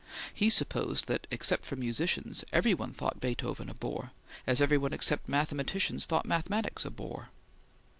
He supposed that, except musicians, every one thought Beethoven a bore, as every one except mathematicians thought mathematics a bore.